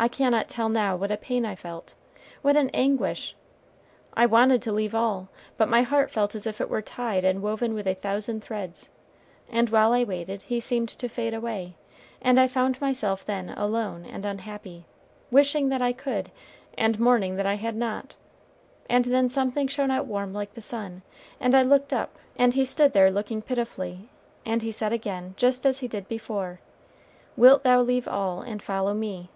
I cannot tell now what a pain I felt what an anguish. I wanted to leave all, but my heart felt as if it were tied and woven with a thousand threads, and while I waited he seemed to fade away, and I found myself then alone and unhappy, wishing that I could, and mourning that I had not; and then something shone out warm like the sun, and I looked up, and he stood there looking pitifully, and he said again just as he did before, 'Wilt thou leave all and follow me?'